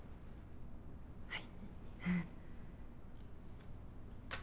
はい。